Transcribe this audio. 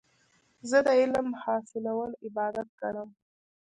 زه د علم حاصلول عبادت ګڼم.